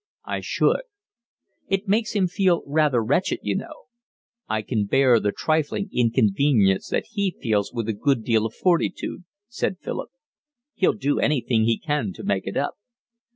"I should." "It makes him feel rather wretched, you know." "I can bear the trifling inconvenience that he feels with a good deal of fortitude," said Philip. "He'll do anything he can to make it up."